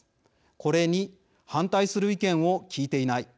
これに反対する意見を聞いていない。